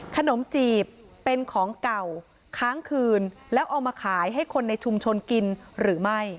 ขนมจีบเป็นของเก่าค้างคืนแล้วเอามาขายให้คนในชุมชนกินหรือไม่